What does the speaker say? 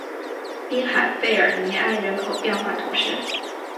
滨海贝尔尼埃人口变化图示